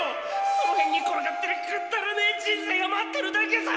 その辺に転がってるくだらねえ人生が待ってるだけさ！